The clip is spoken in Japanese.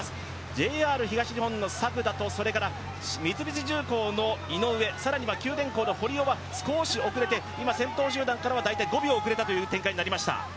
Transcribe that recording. ＪＲ東日本の作田と、三菱重工の井上更には九電工の堀尾は少し遅れて今、先頭集団からは大体５秒遅れたという展開になりました。